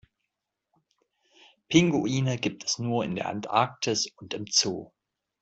Pinguine gibt es nur in der Antarktis und im Zoo.